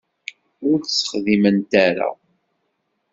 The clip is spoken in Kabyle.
Ur t-texdiment ara.